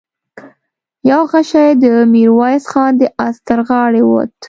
يو غشۍ د ميرويس خان د آس تر غاړې ووت.